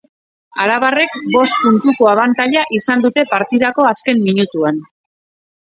Arabarrek bost puntuko abantaila izan dute partidako azken minutuan.